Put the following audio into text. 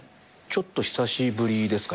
ちょっと久しぶりですかね？